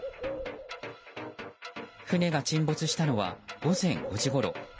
船が沈没したのは午前５時ごろ。